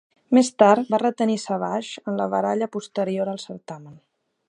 Més tard va retenir Savage en la baralla posterior al certamen.